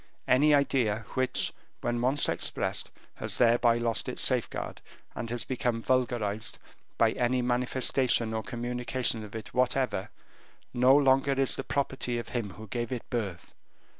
Any idea which, when once expressed, has thereby lost its safeguard, and has become vulgarized by any manifestation or communication of it whatever, no longer is the property of him who gave it birth.